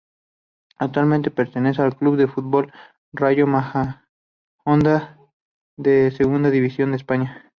Actualmente pertenece al Club de Fútbol Rayo Majadahonda de Segunda División de España.